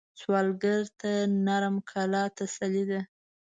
سوالګر ته نرم کلام تسلي ده